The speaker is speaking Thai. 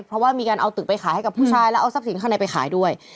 เพราะว่ามีการเอาตึกไปขายให้กับผู้ชายแล้วเอาทรัพย์สินข้างในไปขายด้วย